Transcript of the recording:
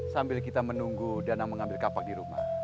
sambil kita menunggu danang mengambil kapak di rumah